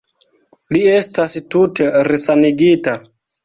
Li estas tute resanigita.